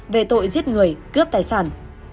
về tội giết người cướp tài sản